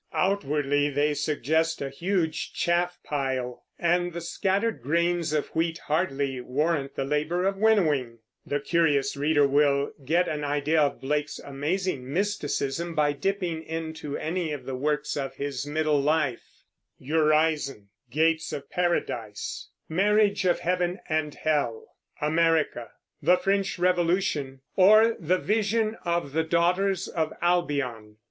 Outwardly they suggest a huge chaff pile, and the scattered grains of wheat hardly warrant the labor of winnowing. The curious reader will get an idea of Blake's amazing mysticism by dipping into any of the works of his middle life, Urizen, Gates of Paradise, Marriage of Heaven and Hell, America, The French Revolution, or The Vision of the Daughters of Albion.